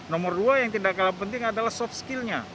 nomor dua yang tidak kalah penting adalah soft skillnya